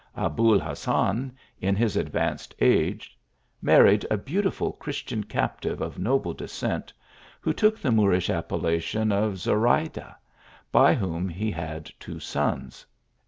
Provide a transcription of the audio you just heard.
Abul Hassan, in his advanced 102 THE ALHAMBRA. age, married a beautiful Christian captive of no ble descent, who took the Moorish appellation of Zorayda, by whom he had two sons.